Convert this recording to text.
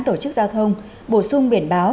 tổ chức giao thông bổ sung biển báo